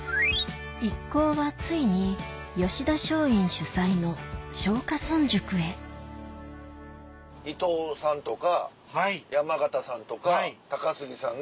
一行はついに吉田松陰主宰の松下村塾へ伊藤さんとか山縣さんとか高杉さんが。